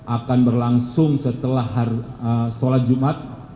akan berlangsung setelah sholat jumat